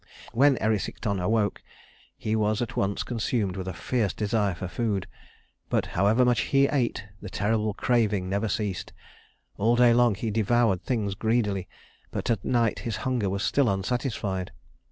When Erysichthon awoke, he was at once consumed with a fierce desire for food; but, however much he ate, the terrible craving never ceased. All day long he devoured things greedily, but at night his hunger was still unsatisfied.